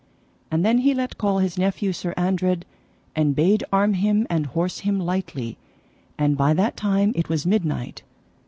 And then he let call his nephew Sir Andred, and bade arm him and horse him lightly; and by that time it was midnight.